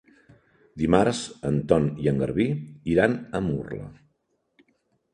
Dimarts en Ton i en Garbí iran a Murla.